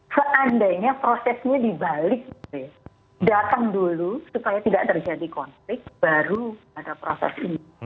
seandainya prosesnya dibalik datang dulu supaya tidak terjadi konflik baru ada proses ini